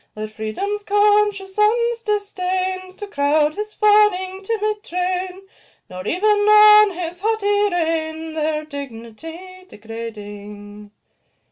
Let Freedom's conscious sons disdain To crowd his fawning, timid train, Nor even own his haughty reign, Their dignity degrading.